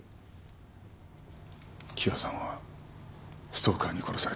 喜和さんはストーカーに殺されたんだ。